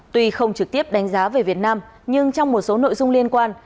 tuy không trực tiếp đánh giá về việt nam nhưng trong một số nội dung liên quan